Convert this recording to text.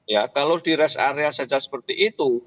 ya kalau di rest area saja seperti itu